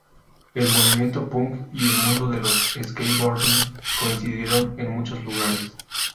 El movimiento punk y el mundo del skateboarding coincidieron en muchos lugares.